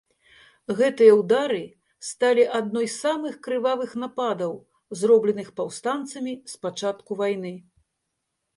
Гэтыя ўдары сталі адной з самых крывавых нападаў, зробленых паўстанцамі з пачатку вайны.